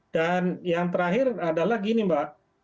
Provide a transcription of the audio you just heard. dan yang terakhir adalah gini mbak